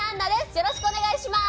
よろしくお願いします。